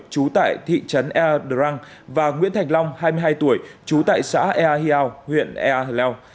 trú tại thị trấn ea drang và nguyễn thành long hai mươi hai tuổi trú tại xã ea hiao huyện ea leo